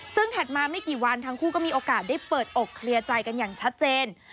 ซึ่งถัดมาไม่กี่วันทั้งคู่ก็มีโอกาสได้เปิดอกเคลียร์ใจกันอย่างชัดเจน